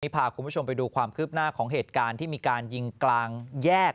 พาคุณผู้ชมไปดูความคืบหน้าของเหตุการณ์ที่มีการยิงกลางแยก